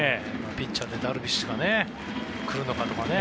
ピッチャーでダルビッシュが来るのかとかね。